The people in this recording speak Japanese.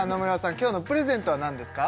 今日のプレゼントは何ですか？